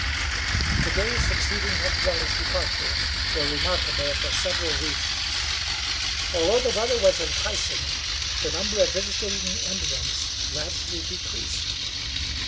The days succeeding Heckewelder's departure were remarkable for several reasons. Although the weather was enticing, the number of visiting Indians gradually decreased.